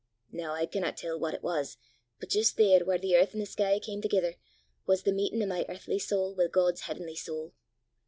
Noo I canna tell what it was, but jist there whaur the earth an' the sky cam thegither, was the meetin' o' my earthly sowl wi' God's h'avenly sowl!